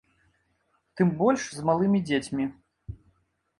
Тым больш з малымі дзецьмі.